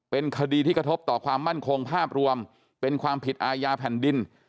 เป็นคดีที่กระทบต่อความมั่นคงภาพรวมเป็นความผิดอาญาแผ่นดิน